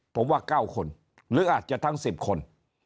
ผมว่า๙คนหรืออาจจะทั้ง๑๐คน